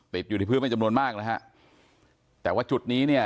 อยู่ที่พื้นเป็นจำนวนมากนะฮะแต่ว่าจุดนี้เนี่ย